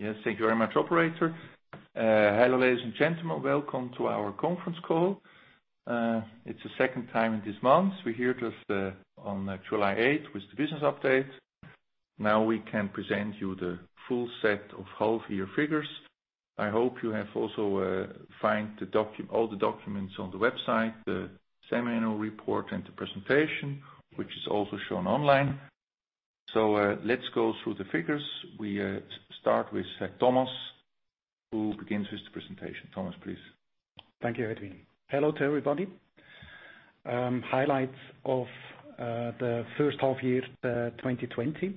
Yes, thank you very much, operator. Hello, ladies and gentlemen. Welcome to our conference call. It's the second time in this month. We're here just on July 8th with the business update. Now we can present you the full set of half year figures. I hope you have also find all the documents on the website, the semi-annual report, and the presentation, which is also shown online. Let's go through the figures. We start with Thomas, who begins with the presentation. Thomas, please. Thank you, Edwin. Hello to everybody. Highlights of the first half year 2020.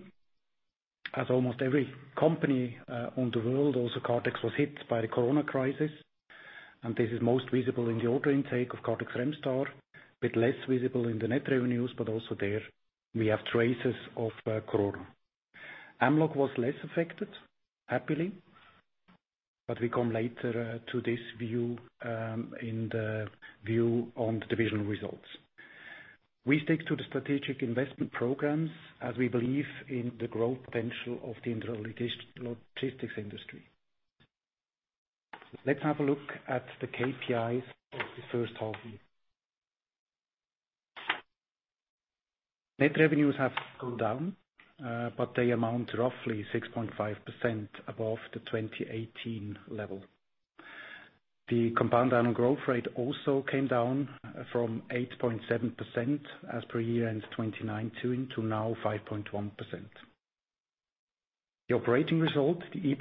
As almost every company on the world, also Kardex was hit by the COVID crisis, and this is most visible in the order intake of Kardex Remstar, a bit less visible in the net revenues, but also there, we have traces of COVID. Kardex Mlog was less affected, happily, but we come later to this view in the view on the divisional results. We stick to the strategic investment programs as we believe in the growth potential of the intralogistics industry. Let's have a look at the KPIs of the first half year. Net revenues have gone down, but they amount to roughly 6.5% above the 2018 level. The compound annual growth rate also came down from 8.7% as per year-end 2019 to now 5.1%. The operating result, the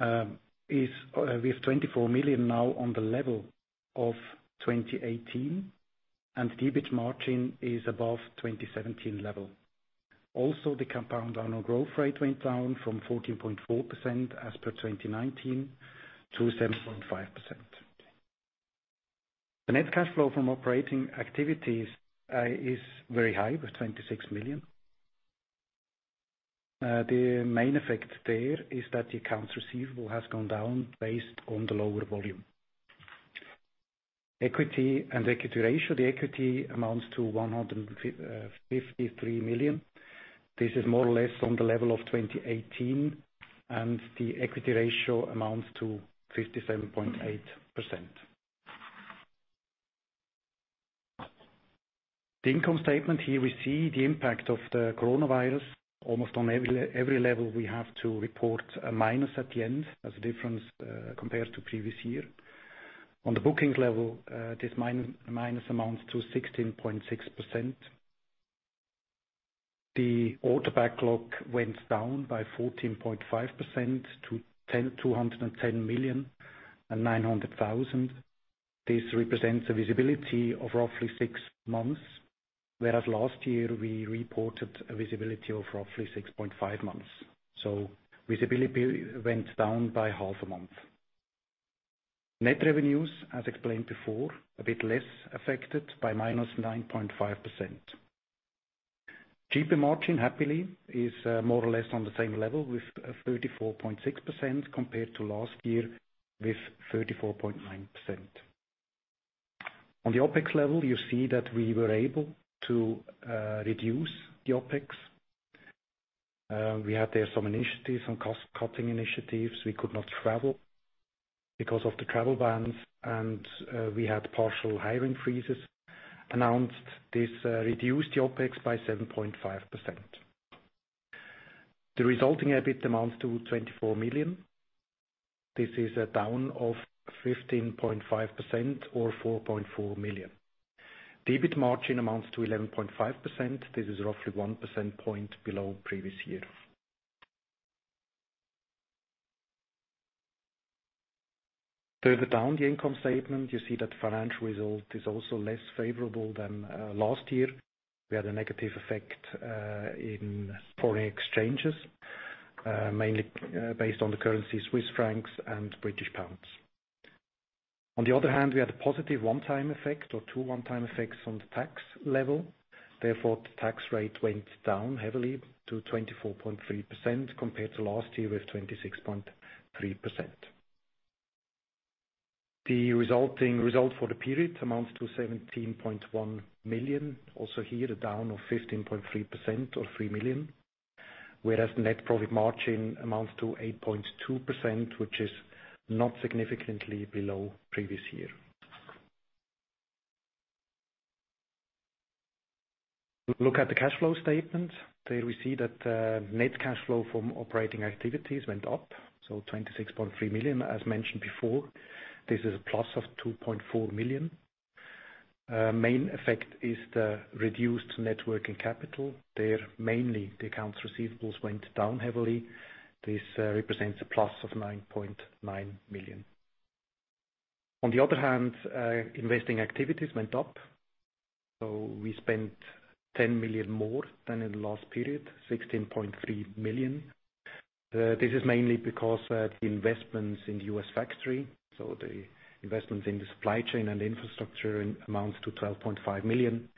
EBIT, we have 24 million now on the level of 2018, and the EBIT margin is above 2017 level. The compound annual growth rate went down from 14.4% as per 2019 to 7.5%. The net cash flow from operating activities is very high, with 26 million. The main effect there is that the accounts receivable has gone down based on the lower volume. Equity and equity ratio. The equity amounts to 153 million. This is more or less on the level of 2018, and the equity ratio amounts to 57.8%. The income statement. Here we see the impact of the coronavirus. Almost on every level, we have to report a minus at the end as a difference compared to previous year. On the bookings level, this minus amounts to 16.6%. The order backlog went down by 14.5% to EUR 210 million and 900,000. This represents a visibility of roughly six months, whereas last year we reported a visibility of roughly 6.5 months. Visibility went down by half a month. Net revenues, as explained before, a bit less affected by -9.5%. EBITDA margin happily is more or less on the same level with 34.6% compared to last year with 34.9%. On the OpEx level, you see that we were able to reduce the OpEx. We had there some initiatives, some cost-cutting initiatives. We could not travel because of the travel bans, and we had partial hiring freezes announced. This reduced the OpEx by 7.5%. The resulting EBIT amounts to 24 million. This is a down of 15.5% or 4.4 million. The EBIT margin amounts to 11.5%. This is roughly one percent point below previous year. Further down the income statement, you see that the financial result is also less favorable than last year. We had a negative effect in foreign exchanges, mainly based on the currency Swiss francs and British pounds. On the other hand, we had a positive one-time effect or two one-time effects on the tax level. Therefore, the tax rate went down heavily to 24.3% compared to last year with 26.3%. The resulting result for the period amounts to 17.1 million, also here down of 15.3% or 3 million, whereas net profit margin amounts to 8.2%, which is not significantly below previous year. Look at the cash flow statement. There we see that net cash flow from operating activities went up, so 26.3 million. As mentioned before, this is a +2.4 million. Main effect is the reduced net working capital. There, mainly the accounts receivables went down heavily. This represents a +9.9 million. On the other hand, investing activities went up. We spent 10 million more than in the last period, 16.3 million. This is mainly because the investments in the U.S. factory, the investments in the supply chain and infrastructure amounts to 12.5 million.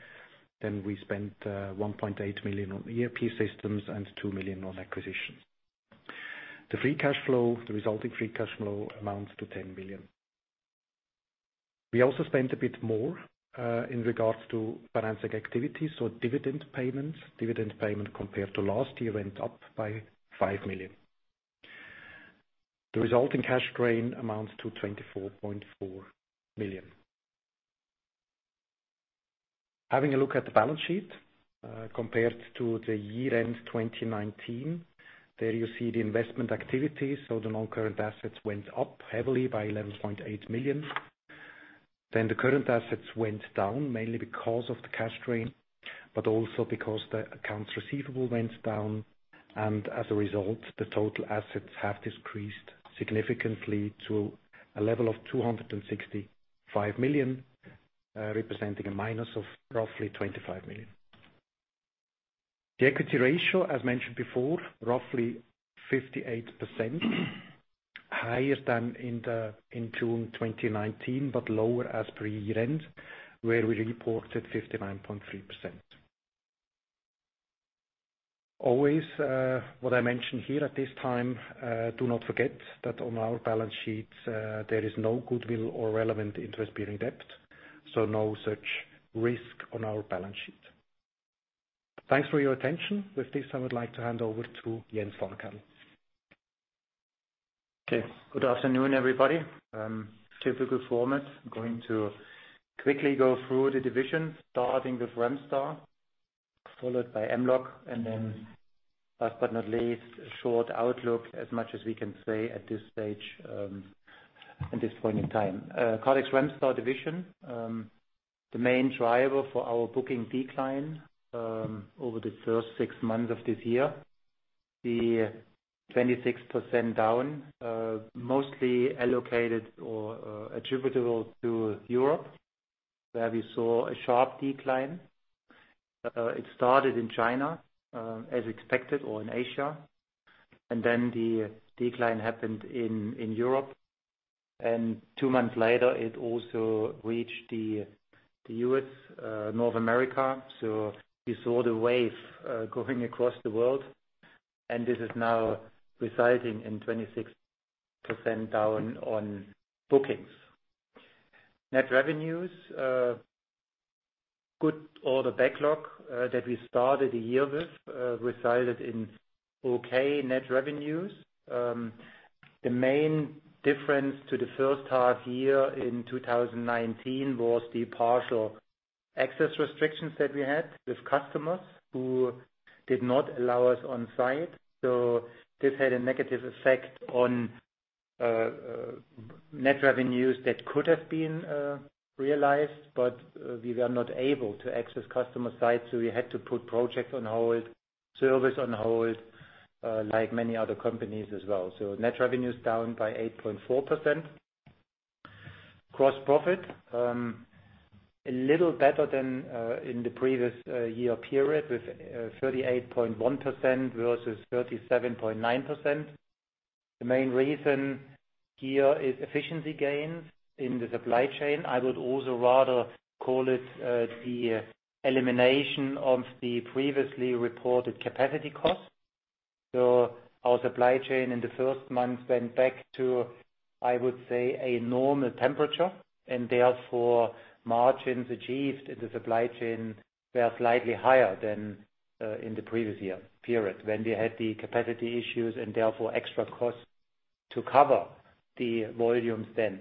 We spent 1.8 million on ERP systems and 2 million on acquisitions. The free cash flow, the resulting free cash flow amounts to 10 million. We also spent a bit more in regards to financing activities, dividend payments. Dividend payment compared to last year went up by 5 million. The resulting cash drain amounts to 24.4 million. Having a look at the balance sheet, compared to the year-end 2019, there you see the investment activity. The non-current assets went up heavily by 11.8 million. The current assets went down, mainly because of the cash drain, but also because the accounts receivable went down, and as a result, the total assets have decreased significantly to a level of 265 million, representing a minus of roughly 25 million. The equity ratio, as mentioned before, roughly 58% higher than in June 2019, but lower as per year-end, where we reported 59.3%. Always, what I mention here at this time, do not forget that on our balance sheets, there is no goodwill or relevant interest-bearing debt, so no such risk on our balance sheet. Thanks for your attention. With this, I would like to hand over to Jens Fankhänel. Okay. Good afternoon, everybody. Typical format. I'm going to quickly go through the divisions, starting with Remstar, followed by Mlog, last but not least, a short outlook, as much as we can say at this stage, at this point in time. Kardex Remstar division. The main driver for our booking decline over the first six months of this year, the 26% down, mostly allocated or attributable to Europe, where we saw a sharp decline. It started in China, as expected, or in Asia. The decline happened in Europe. Two months later, it also reached the U.S., North America. We saw the wave going across the world, and this is now resulting in 26% down on bookings. Net revenues. Good order backlog that we started the year with resulted in okay net revenues. The main difference to the first half year in 2019 was the partial access restrictions that we had with customers who did not allow us on site. This had a negative effect on net revenues that could have been realized, but we were not able to access customer sites, we had to put projects on hold, service on hold, like many other companies as well. Net revenue is down by 8.4%. Gross profit, a little better than in the previous year period, with 38.1% versus 37.9%. The main reason here is efficiency gains in the supply chain. I would also rather call it the elimination of the previously reported capacity costs. Our supply chain in the first month went back to, I would say, a normal temperature, and therefore margins achieved in the supply chain were slightly higher than in the previous year period, when we had the capacity issues and therefore extra costs to cover the volumes then.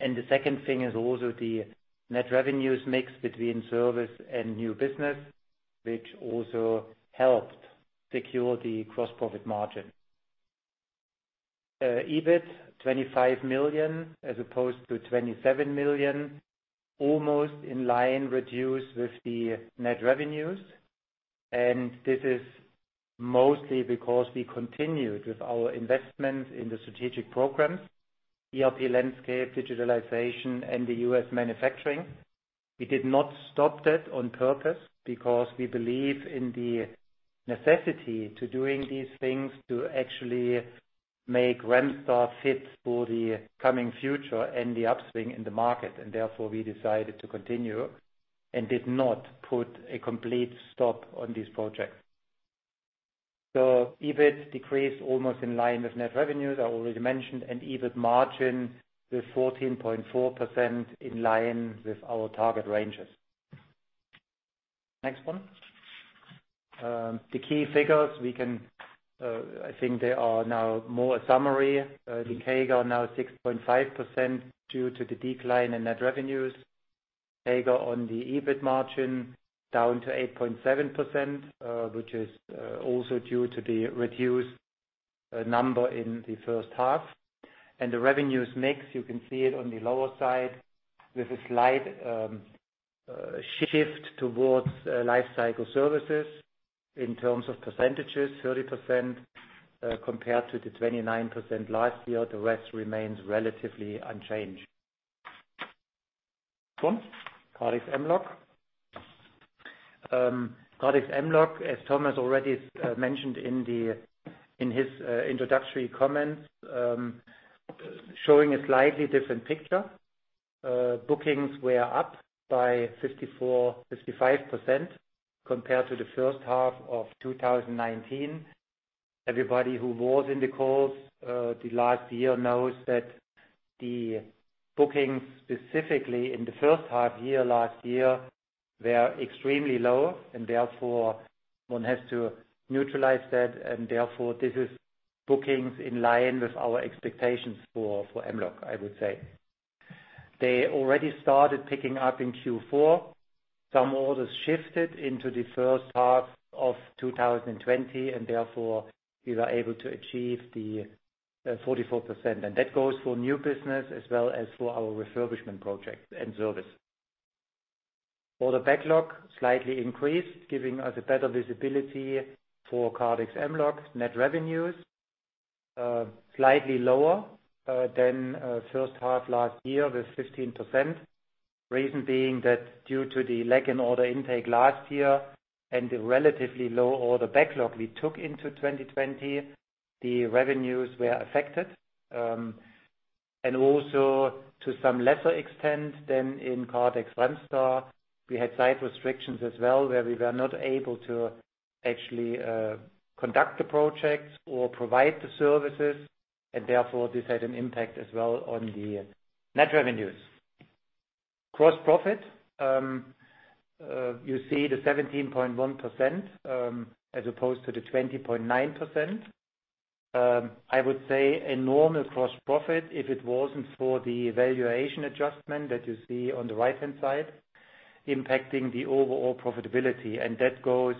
The second thing is also the net revenues mix between service and new business, which also helped secure the gross profit margin. EBIT, 25 million as opposed to 27 million, almost in line reduce with the net revenues. This is mostly because we continued with our investments in the strategic programs: ERP landscape, digitalization, and the U.S. manufacturing. We did not stop that on purpose because we believe in the necessity to doing these things to actually make Kardex Remstar fit for the coming future and the upswing in the market. Therefore, we decided to continue and did not put a complete stop on these projects. EBIT decreased almost in line with net revenues, I already mentioned, and EBIT margin with 14.4% in line with our target ranges. Next one. The key figures. I think they are now more a summary. The CAGR now 6.5% due to the decline in net revenues. CAGR on the EBIT margin down to 8.7%, which is also due to the reduced number in the first half. The revenues mix, you can see it on the lower side, with a slight shift towards life cycle services in terms of percentages, 30% compared to the 29% last year. The rest remains relatively unchanged. Next one. Kardex Mlog. Kardex Mlog, as Thomas already mentioned in his introductory comments, showing a slightly different picture. Bookings were up by 55% compared to the first half of 2019. Everybody who was in the calls the last year knows that the bookings, specifically in the first half year last year, were extremely low and therefore one has to neutralize that, and therefore this is bookings in line with our expectations for Mlog, I would say. Some orders shifted into the first half of 2020, and therefore we were able to achieve the 44%. That goes for new business as well as for our refurbishment project and service. Order backlog slightly increased, giving us a better visibility for Kardex Mlog. Net revenues are slightly lower than first half last year with 15%. Reason being that due to the lack in order intake last year and the relatively low order backlog we took into 2020, the revenues were affected. Also to some lesser extent than in Kardex Remstar, we had site restrictions as well, where we were not able to actually conduct the projects or provide the services, and therefore this had an impact as well on the net revenues. Gross profit. You see the 17.1% as opposed to the 20.9%. I would say a normal gross profit if it wasn't for the valuation adjustment that you see on the right-hand side impacting the overall profitability, and that goes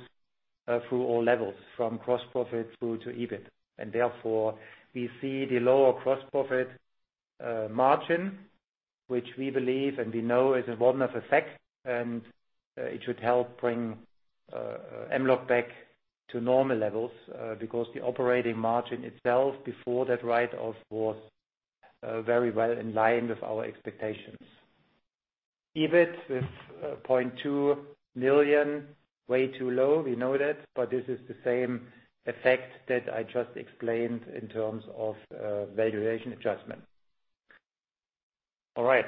through all levels, from gross profit through to EBIT. Therefore, we see the lower gross profit margin, which we believe and we know is a one-off effect, and it should help bring Mlog back to normal levels because the operating margin itself, before that write-off, was very well in line with our expectations. EBIT with 0.2 million, way too low, we know that, but this is the same effect that I just explained in terms of valuation adjustment. All right.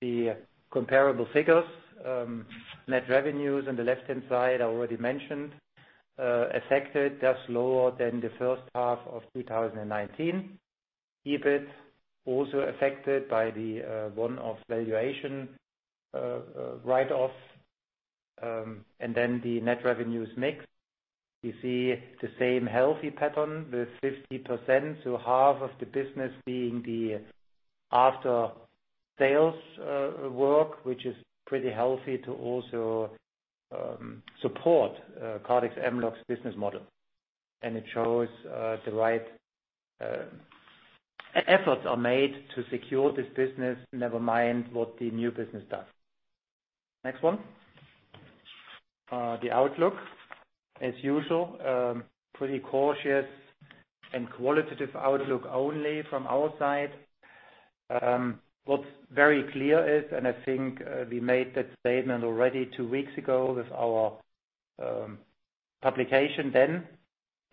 The comparable figures. Net revenues on the left-hand side, I already mentioned, affected, that's lower than the first half of 2019. EBIT also affected by the one-off valuation write-off. The net revenues mix. You see the same healthy pattern with 50%, so half of the business being the after-sales work, which is pretty healthy to also support Kardex Mlog's business model. It shows the right efforts are made to secure this business, never mind what the new business does. Next one. The outlook. As usual, pretty cautious and qualitative outlook only from our side. What's very clear is, and I think we made that statement already two weeks ago with our publication then,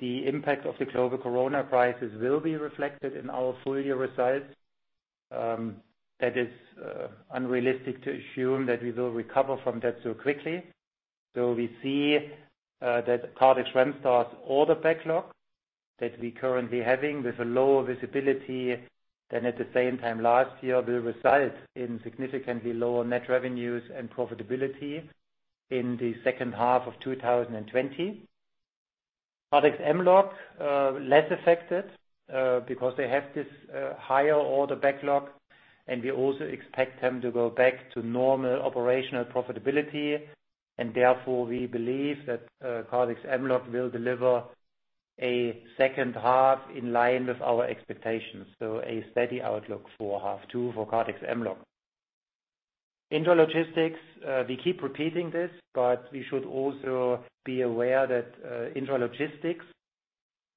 the impact of the global Corona crisis will be reflected in our full-year results. That is unrealistic to assume that we will recover from that so quickly. We see that Kardex Remstar's order backlog that we're currently having with a lower visibility than at the same time last year will result in significantly lower net revenues and profitability in the second half of 2020. Kardex Mlog, less affected, because they have this higher order backlog, and we also expect them to go back to normal operational profitability. Therefore, we believe that Kardex Mlog will deliver a second half in line with our expectations. A steady outlook for half two for Kardex Mlog. Intralogistics, we keep repeating this, but we should also be aware that intralogistics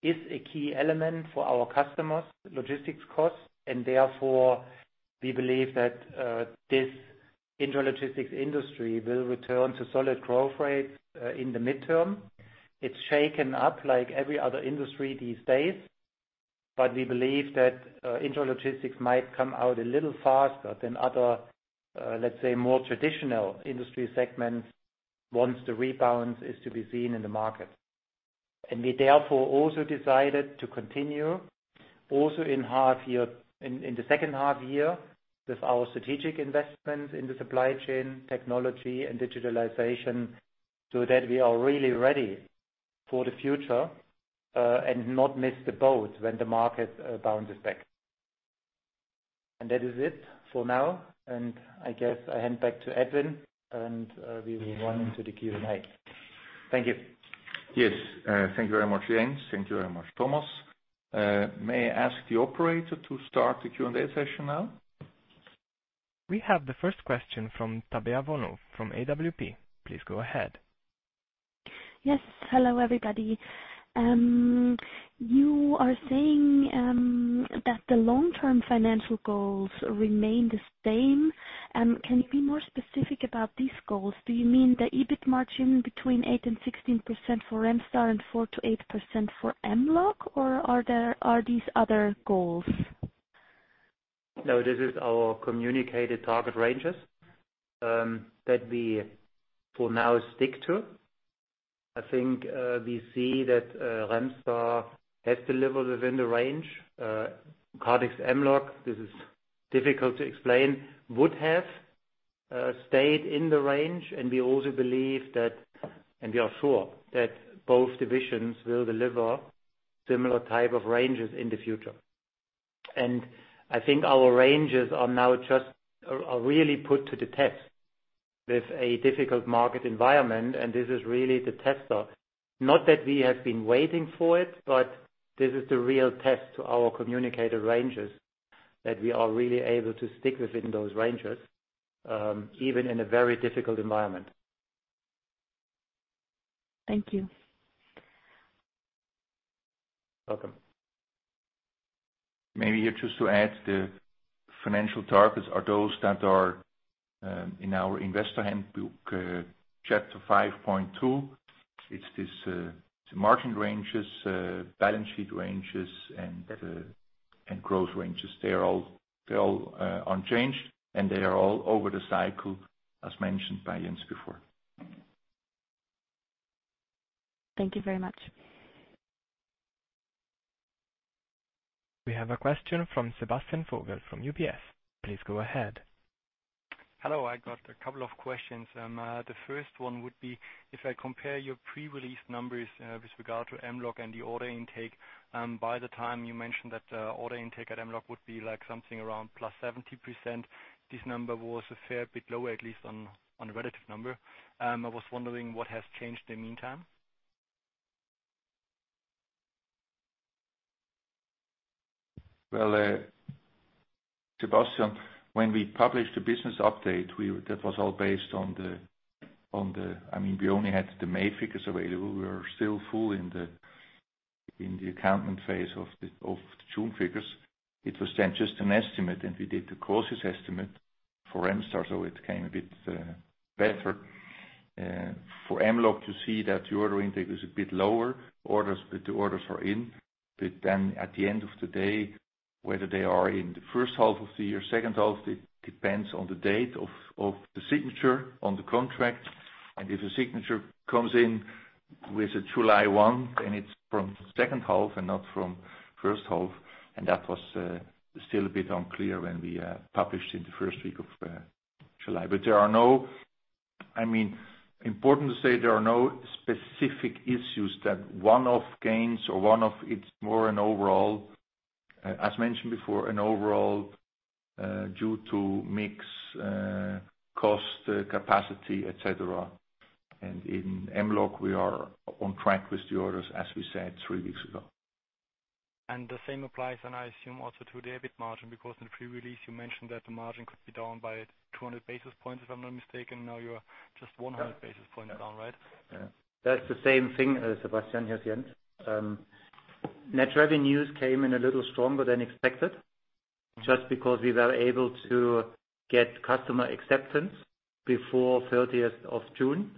is a key element for our customers' logistics costs, and therefore, we believe that this intralogistics industry will return to solid growth rates in the midterm. It's shaken up like every other industry these days, but we believe that intralogistics might come out a little faster than other, let's say, more traditional industry segments once the rebound is to be seen in the market. We therefore also decided to continue, also in the second half year, with our strategic investments in the supply chain, technology, and digitalization, so that we are really ready for the future and not miss the boat when the market bounces back. That is it for now, and I guess I hand back to Edwin, and we will run into the Q&A. Thank you. Yes. Thank you very much, Jens. Thank you very much, Thomas. May I ask the operator to start the Q&A session now? We have the first question from Tabea von Ow from AWP. Please go ahead. Yes. Hello, everybody. You are saying that the long-term financial goals remain the same. Can you be more specific about these goals? Do you mean the EBIT margin between eight and 16% for Remstar and 4%-8% for Mlog, or are these other goals? This is our communicated target ranges that we will now stick to. I think we see that Remstar has delivered within the range. Kardex Mlog, this is difficult to explain, would have stayed in the range. We are sure that both divisions will deliver similar type of ranges in the future. I think our ranges are now just really put to the test with a difficult market environment, and this is really the tester. Not that we have been waiting for it, but this is the real test to our communicated ranges, that we are really able to stick within those ranges, even in a very difficult environment. Thank you. Welcome. Maybe just to add, the financial targets are those that are in our investor handbook, chapter 5.2. It's these margin ranges, balance sheet ranges and growth ranges. They're all unchanged, and they are all over the cycle, as mentioned by Jens before. Thank you very much. We have a question from Sebastian Vogel from UBS. Please go ahead. Hello. I got a couple of questions. The first one would be if I compare your pre-release numbers, with regard to Mlog and the order intake, by the time you mentioned that the order intake at Mlog would be something around +70%, this number was a fair bit lower, at least on a relative number. I was wondering what has changed in the meantime. Well, Sebastian, when we published the business update, that was all based on. We only had the May figures available. We were still full in the accounting phase of the June figures. It was just an estimate. We did the closest estimate for Remstar. It came a bit better. For Mlog, you see that the order intake is a bit lower. The orders are in. At the end of the day, whether they are in the first half of the year, second half, it depends on the date of the signature on the contract. If a signature comes in with July 1, it's from second half and not from first half. That was still a bit unclear when we published in the first week of July. Important to say, there are no specific issues that one-off gains or one-off, it's more an overall, as mentioned before, an overall due to mix, cost, capacity, et cetera. In Mlog, we are on track with the orders as we said three weeks ago. The same applies then, I assume, also to the EBIT margin, because in the pre-release you mentioned that the margin could be down by 200 basis points, if I'm not mistaken. Now you're just 100 basis points down, right? That's the same thing, Sebastian. Here is Jens. Net revenues came in a little stronger than expected, just because we were able to get customer acceptance before 30th of June.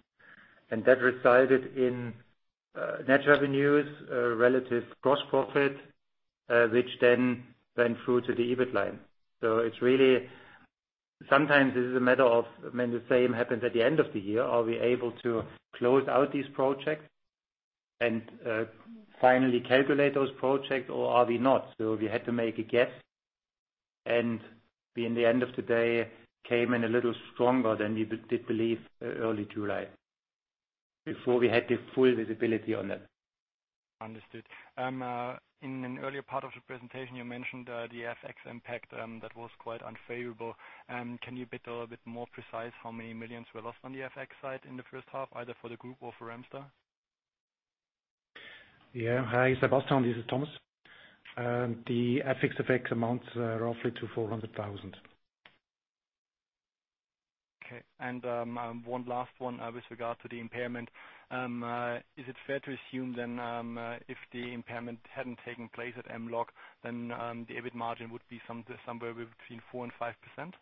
That resulted in net revenues, relative gross profit, which then went through to the EBIT line. Sometimes this is a matter of when the same happens at the end of the year. Are we able to close out these projects and finally calculate those projects, or are we not? We had to make a guess, and we, in the end of the day, came in a little stronger than we did believe early July, before we had the full visibility on that. Understood. In an earlier part of the presentation, you mentioned the FX impact that was quite unfavorable. Can you be a little bit more precise how many millions were lost on the FX side in the first half, either for the group or for Remstar? Yeah. Hi, Sebastian, this is Thomas. The FX effect amounts roughly to 400,000. Okay. One last one with regard to the impairment. Is it fair to assume then, if the impairment hadn't taken place at Mlog, then the EBIT margin would be somewhere between 4% and 5%?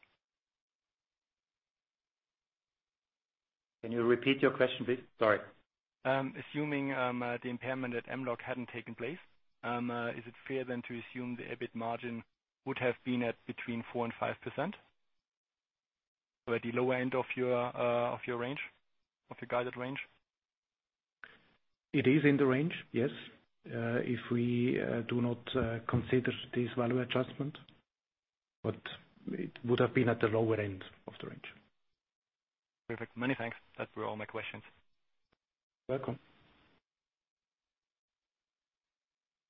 Can you repeat your question, please? Sorry. Assuming the impairment at Kardex Mlog hadn't taken place, is it fair then to assume the EBIT margin would have been at between 4% and 5%? At the lower end of your guided range? It is in the range, yes. If we do not consider this value adjustment, it would have been at the lower end of the range. Perfect. Many thanks. That were all my questions. You're welcome.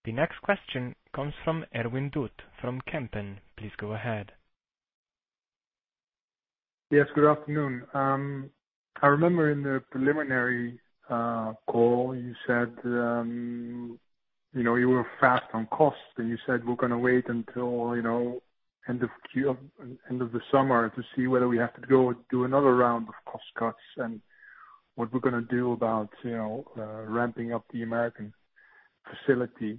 The next question comes from Erwin Dut from Kempen. Please go ahead. Yes, good afternoon. I remember in the preliminary call, you said you were fast on cost, and you said we're going to wait until end of the summer to see whether we have to go do another round of cost cuts and what we're going to do about ramping up the American facility.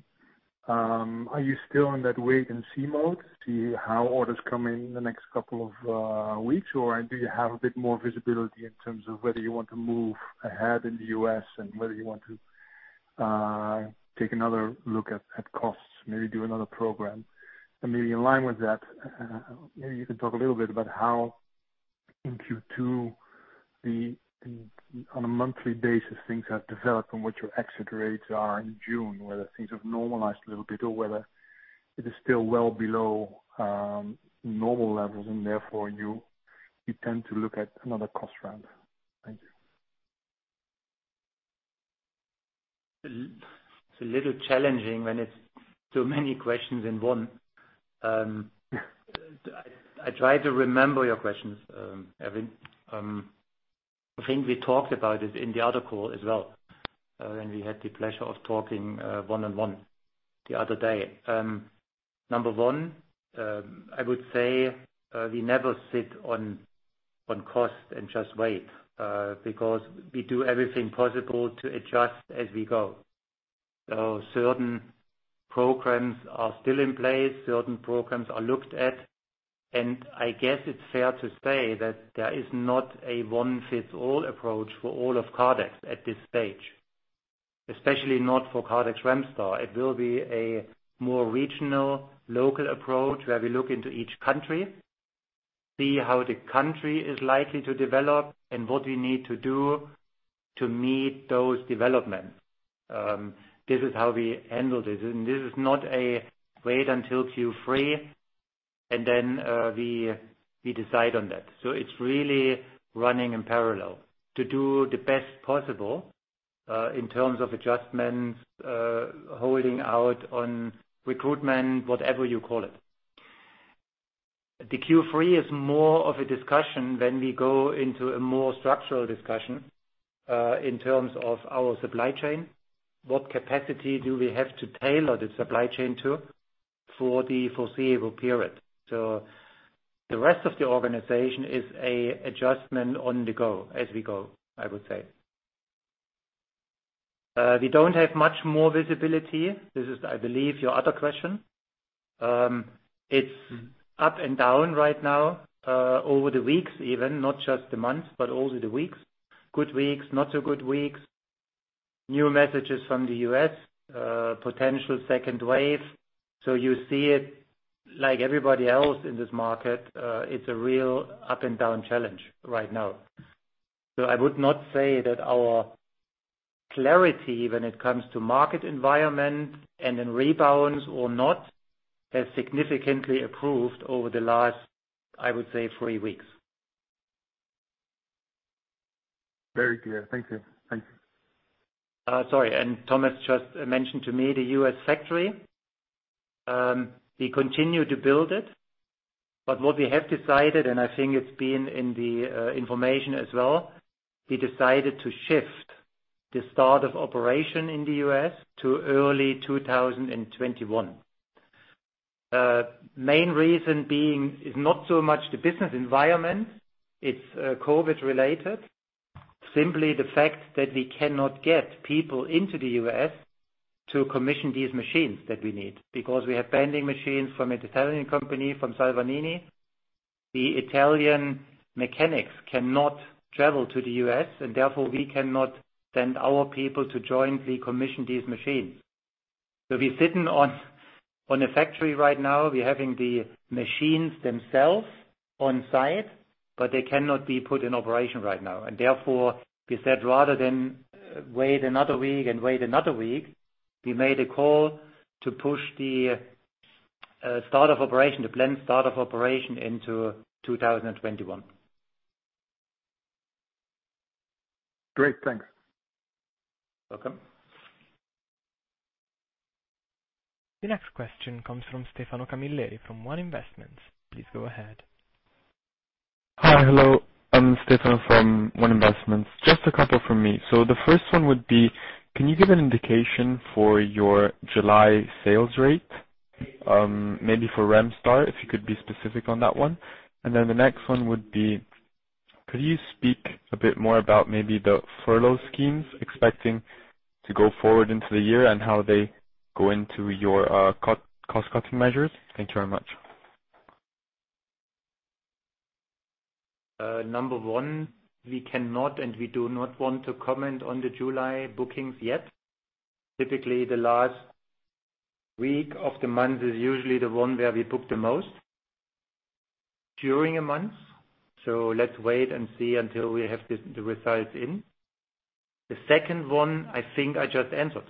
Are you still in that wait-and-see mode to see how orders come in the next couple of weeks, or do you have a bit more visibility in terms of whether you want to move ahead in the U.S. and whether you want to take another look at costs, maybe do another program? Maybe in line with that, maybe you can talk a little bit about how in Q2, on a monthly basis, things have developed and what your exit rates are in June, whether things have normalized a little bit or whether it is still well below normal levels and therefore you tend to look at another cost round? Thank you. It's a little challenging when it's so many questions in one. Yeah. I try to remember your questions, Erwin. I think we talked about it in the other call as well, when we had the pleasure of talking one-on-one the other day. Number one, I would say we never sit on cost and just wait, because we do everything possible to adjust as we go. Certain programs are still in place, certain programs are looked at, and I guess it's fair to say that there is not a one-fits-all approach for all of Kardex at this stage, especially not for Kardex Remstar. It will be a more regional, local approach where we look into each country, see how the country is likely to develop, and what we need to do to meet those developments. This is how we handle this and this is not a wait until Q3 and then we decide on that. It's really running in parallel to do the best possible, in terms of adjustments, holding out on recruitment, whatever you call it. The Q3 is more of a discussion when we go into a structural discussion, in terms of our supply chain. What capacity do we have to tailor the supply chain to for the foreseeable period? The rest of the organization is an adjustment on the go as we go, I would say. We don't have much more visibility. This is, I believe, your other question. It's up and down right now, over the weeks even, not just the months, but over the weeks. Good weeks, not so good weeks. New messages from the U.S., potential second wave. You see it like everybody else in this market. It's a real up-and-down challenge right now. I would not say that our clarity when it comes to market environment and in rebounds or not, has significantly improved over the last, I would say, three weeks. Very clear. Thank you. Sorry, Thomas just mentioned to me the U.S. factory. We continue to build it, what we have decided, I think it's been in the information as well, we decided to shift the start of operation in the U.S. to early 2021. Main reason being is not so much the business environment. It's COVID related. Simply the fact that we cannot get people into the U.S. to commission these machines that we need, because we have bending machines from Italian company, from Salvagnini. The Italian mechanics cannot travel to the U.S. therefore we cannot send our people to jointly commission these machines. We're sitting on a factory right now. We're having the machines themselves on site, they cannot be put in operation right now. Therefore, we said rather than wait another week and wait another week, we made a call to push the planned start of operation into 2021. Great. Thanks. Welcome. The next question comes from Stefano Camilleri from ONE Investments. Please go ahead. Hi. Hello. I'm Stefano from ONE Investments. Just a couple from me. The first one would be, can you give an indication for your July sales rate? Maybe for Remstar, if you could be specific on that one. The next one would be, could you speak a bit more about maybe the furlough schemes expecting to go forward into the year and how they go into your cost-cutting measures? Thank you very much. Number one, we cannot and we do not want to comment on the July bookings yet. Typically, the last week of the month is usually the one where we book the most during a month. Let's wait and see until we have the results in. The second one, I think I just answered,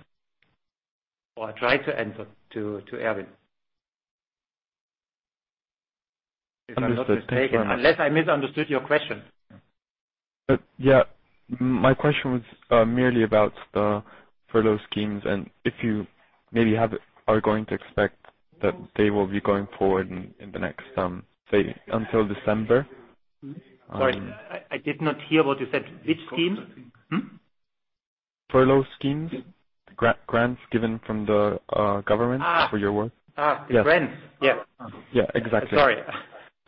or I tried to answer to Erwin. If I'm not mistaken. Unless I misunderstood your question. Yeah. My question was merely about the furlough schemes and if you maybe are going to expect that they will be going forward in the next, say until December. Sorry. I did not hear what you said. Which scheme? Hmm? Furlough schemes. Grants given from the government for your work. The grants. Yeah. Yeah. Exactly. Sorry.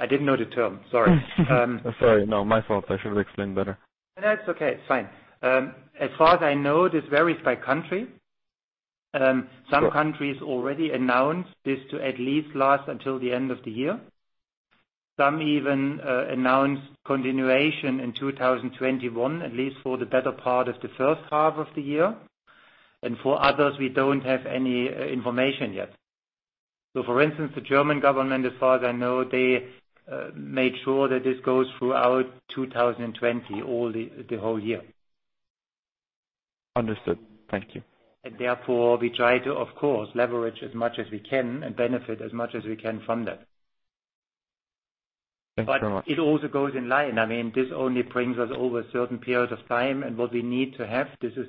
I didn't know the term. Sorry. Sorry. No, my fault. I should have explained better. No, it's okay. It's fine. As far as I know, this varies by country. Some countries already announced this to at least last until the end of the year. Some even announced continuation in 2021, at least for the better part of the first half of the year. For others, we don't have any information yet. For instance, the German government, as far as I know, they made sure that this goes throughout 2020, the whole year. Understood. Thank you. Therefore we try to, of course, leverage as much as we can and benefit as much as we can from that. Thank you very much. It also goes in line. This only brings us over a certain period of time, and what we need to have, this is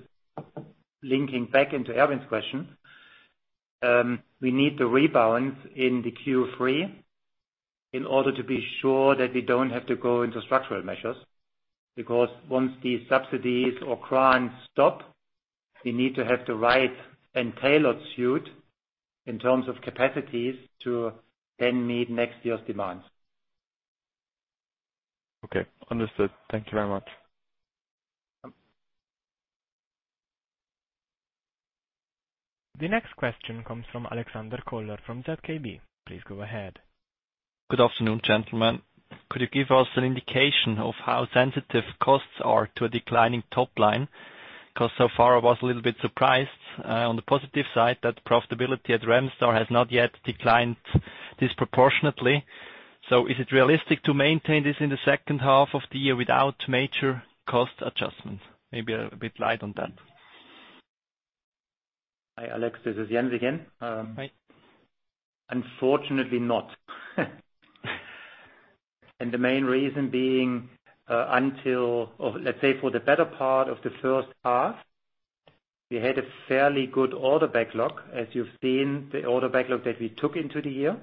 linking back into Erwin's question, we need to rebalance in the Q3 in order to be sure that we don't have to go into structural measures. Once these subsidies or grants stop, we need to have the right and tailored suit in terms of capacities to then meet next year's demands. Okay, understood. Thank you very much. The next question comes from Alexander Koller from ZKB. Please go ahead. Good afternoon, gentlemen. Could you give us an indication of how sensitive costs are to a declining top line? So far I was a little bit surprised, on the positive side, that profitability at Remstar has not yet declined disproportionately. Is it realistic to maintain this in the second half of the year without major cost adjustments? Maybe a bit light on that. Hi, Alex. This is Jens again. Hi. Unfortunately not. The main reason being, let's say for the better part of the first half, we had a fairly good order backlog, as you've seen the order backlog that we took into the year.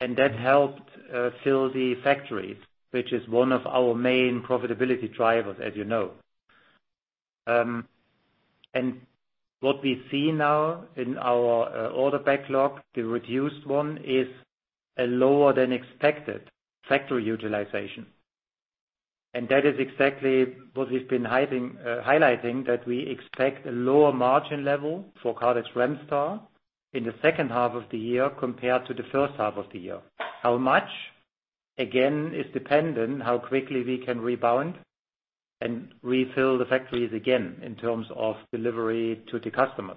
That helped fill the factories, which is one of our main profitability drivers, as you know. What we see now in our order backlog, the reduced one, is a lower-than-expected factory utilization. That is exactly what we've been highlighting, that we expect a lower margin level for Kardex Remstar in the second half of the year compared to the first half of the year. How much, again, is dependent on how quickly we can rebound and refill the factories again in terms of delivery to the customers.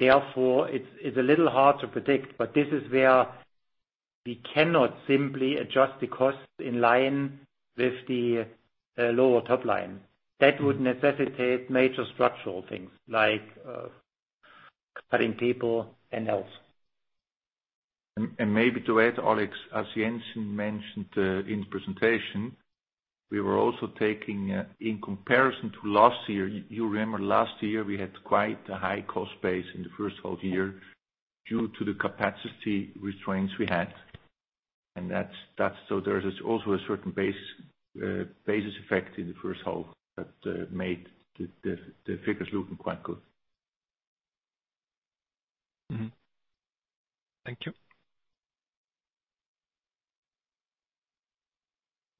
Therefore it's a little hard to predict. This is where we cannot simply adjust the costs in line with the lower top line. That would necessitate major structural things, like cutting people and else. Maybe to add, Alex, as Jens mentioned in the presentation, we were also taking in comparison to last year. You remember last year, we had quite a high cost base in the first half of the year due to the capacity restraints we had. There's also a certain basis effect in the first half that made the figures looking quite good. Thank you.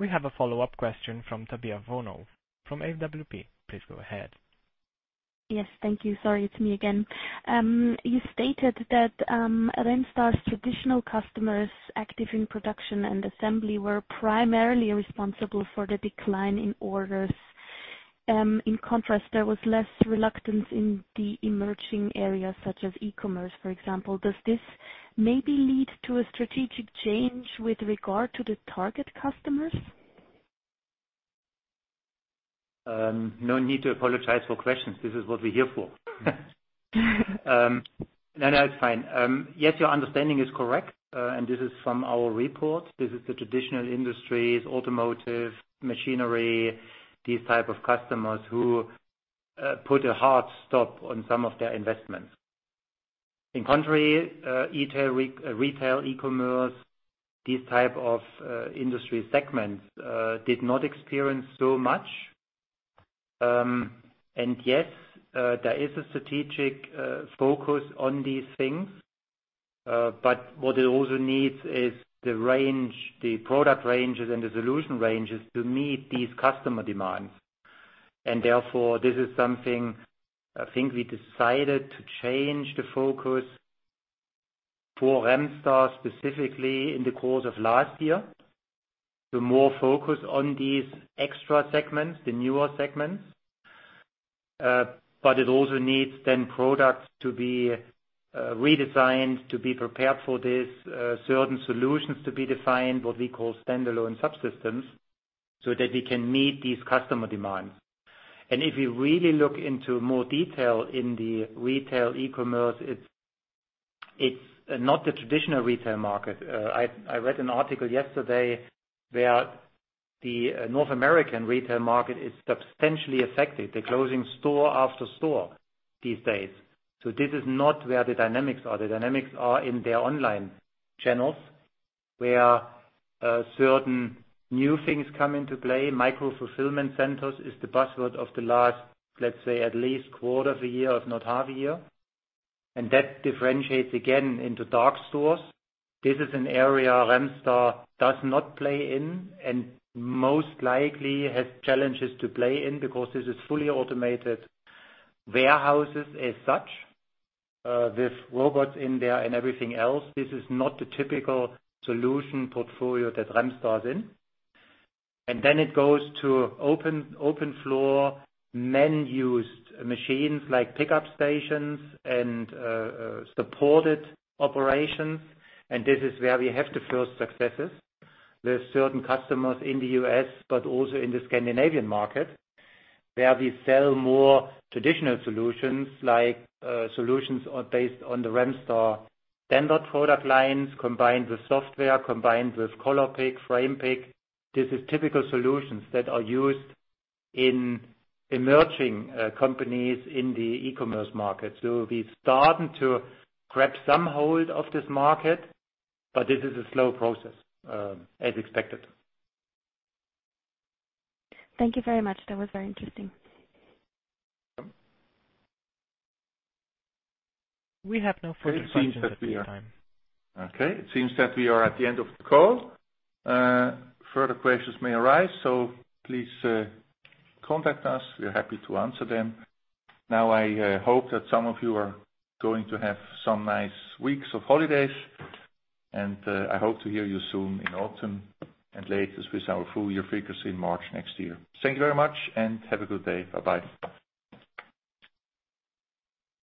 We have a follow-up question from Tabea von Ow from AWP. Please go ahead. Yes, thank you. Sorry, it's me again. You stated that Remstar's traditional customers active in production and assembly were primarily responsible for the decline in orders. In contrast, there was less reluctance in the emerging areas such as e-commerce, for example. Does this maybe lead to a strategic change with regard to the target customers? No need to apologize for questions. This is what we're here for. That's fine. Your understanding is correct. This is from our report. This is the traditional industries, automotive, machinery, these type of customers who put a hard stop on some of their investments. In contrary, retail e-commerce, these type of industry segments, did not experience so much. There is a strategic focus on these things. What it also needs is the product ranges and the solution ranges to meet these customer demands. Therefore, this is something I think we decided to change the focus for Remstar specifically in the course of last year, to more focus on these extra segments, the newer segments. It also needs then products to be redesigned to be prepared for this, certain solutions to be defined, what we call standalone subsystems, so that we can meet these customer demands. If you really look into more detail in the retail e-commerce, it's not the traditional retail market. I read an article yesterday where the North American retail market is substantially affected. They're closing store after store these days. This is not where the dynamics are. The dynamics are in their online channels, where certain new things come into play. micro-fulfillment centers is the buzzword of the last, let's say, at least quarter of a year, if not half a year. That differentiates again into dark stores. This is an area Remstar does not play in, and most likely has challenges to play in because this is fully automated warehouses as such, with robots in there and everything else. This is not the typical solution portfolio that Remstar is in. It goes to open floor, man-used machines like picking stations and supported operations, and this is where we have the first successes. There are certain customers in the U.S., but also in the Scandinavian market, where we sell more traditional solutions like solutions based on the Remstar standard product lines, combined with software, combined with Color Pick, Frame Pick. This is typical solutions that are used in emerging companies in the e-commerce market. We're starting to grab some hold of this market, but this is a slow process, as expected. Thank you very much. That was very interesting. Welcome. We have no further questions at this time. Okay. It seems that we are at the end of the call. Further questions may arise, so please contact us. We are happy to answer them. Now I hope that some of you are going to have some nice weeks of holidays, and I hope to hear you soon in autumn, and latest with our full year frequency in March next year. Thank you very much, and have a good day. Bye-bye.